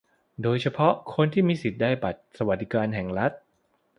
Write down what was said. โดยเฉพาะคนที่มีสิทธิ์ได้บัตรสวัสดิการแห่งรัฐ